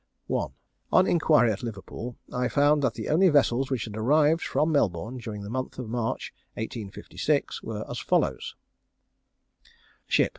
1. On inquiry at Liverpool, I found that the only vessels which had arrived from Melbourne during the month of March, 1856, were as follows: Ship.